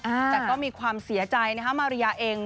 แต่ก็มีความเสียใจนะฮะมาริยาเอง